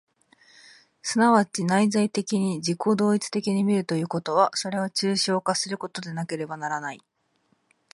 即ち内在的に自己同一的に見るということは、それを抽象化することでなければならない。